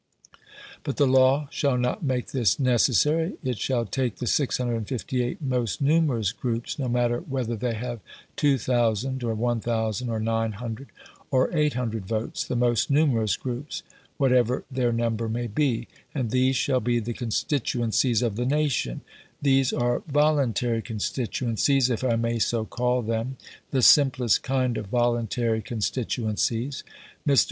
But the law shall not make this necessary it shall take the 658 most numerous groups, no matter whether they have 2000, or 1000, or 900, or 800 votes the most numerous groups, whatever their number may be; and these shall be the constituencies of the nation." These are voluntary constituencies, if I may so call them; the simplest kind of voluntary constituencies. Mr.